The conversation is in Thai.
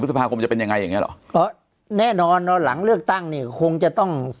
พฤษภาคมจะเป็นยังไงอย่างเงี้เหรอเพราะแน่นอนหลังเลือกตั้งเนี่ยคงจะต้อง